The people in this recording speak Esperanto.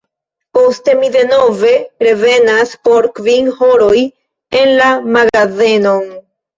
Poste mi denove revenas por kvin horoj en la magazenon.